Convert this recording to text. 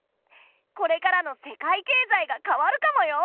これからの世界経済が変わるかもよ。